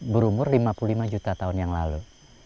berumur lima puluh lima juta tahun yang lalu